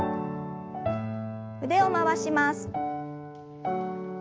腕を回します。